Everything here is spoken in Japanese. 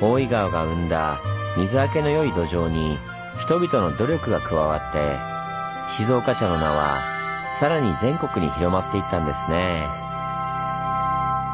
大井川が生んだ水はけの良い土壌に人々の努力が加わって静岡茶の名は更に全国に広まっていったんですねぇ。